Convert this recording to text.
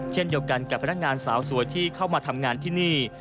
เช่นเดียวกันกับพนักงานสาวสวยที่เข้ามาทำงานที่นี่